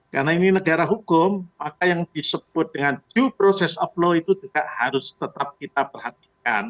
karena ini negara hukum maka yang disebut dengan due process of law itu juga harus tetap kita perhatikan